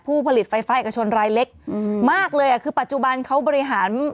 ผู้ผลิตไฟฟ้าอักชนรายเล็กมากเลยคือปัจจุบันเขาบริหาร